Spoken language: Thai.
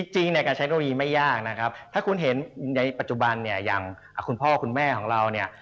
จริงเนี่ยการใช้เก้าอีไม่ยากนะครับถ้าคุณเห็นในปัจจุบันเนี่ยอย่างคุณพ่อคุณแม่ของเราเนี่ย